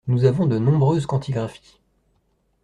Nous avons de nombreuses quantigraphies